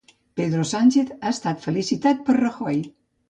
Pedro Sánchez ha estat felicitat per Rajoy